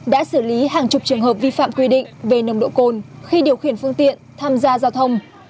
đã xử lý hàng chục trường hợp vi phạm quy định về nồng độ cồn khi điều khiển phương tiện tham gia giao thông